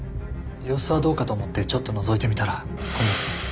様子はどうかと思ってちょっとのぞいてみたらこんな事に。